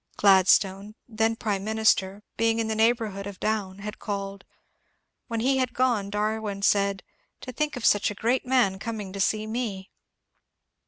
Gladstone, then Prime Minister, being in the neighbourhood of Down, had called. When he had gone Darwin said, " To think of such a great man coming to see me